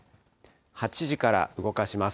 ８時から動かします。